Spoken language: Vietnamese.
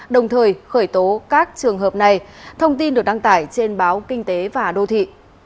đồng thời khởi tố các trường hợp này thông tin được đăng tải trên báo kinh tế và đô thị